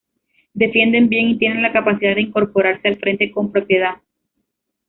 Defiende bien y tiene la capacidad de incorporarse al frente con propiedad.